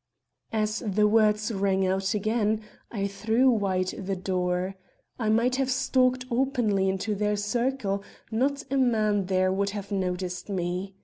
_" As the words rang out again, I threw wide the door; I might have stalked openly into their circle; not a man there would have noticed me.